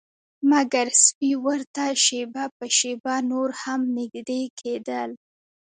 مګر سپي ورته شیبه په شیبه نور هم نږدې کیدل